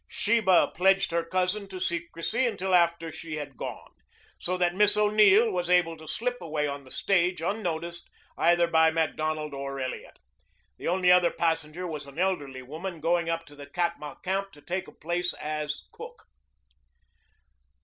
Sheba pledged her cousin to secrecy until after she had gone, so that Miss O'Neill was able to slip away on the stage unnoticed either by Macdonald or Elliot. The only other passenger was an elderly woman going up to the Katma camp to take a place as cook.